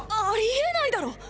ありえないだろ